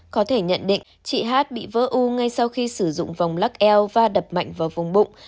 có thể nhận định chị hát bị vỡ u ngay sau khi sử dụng vòng lắc eo và đập mạnh vào vùng bụng